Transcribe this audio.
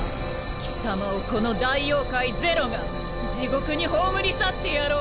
貴様をこの大妖怪是露が地獄に葬り去ってやろう！